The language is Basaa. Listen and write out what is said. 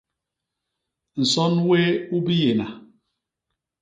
Nson wéé u biyéna.